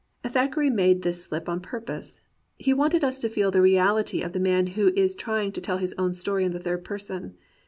^^ Thackeray made this slip on purpose. He wanted us to feel the reaUty of the man who is trying to tell his own story in the third person.